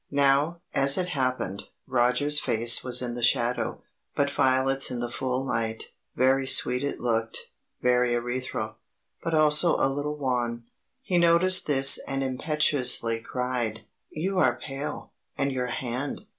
Now, as it happened, Roger's face was in the shadow, but Violet's in the full light. Very sweet it looked, very ethereal, but also a little wan. He noticed this and impetuously cried: "You are pale; and your hand!